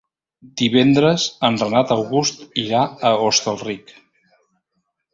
Divendres en Renat August irà a Hostalric.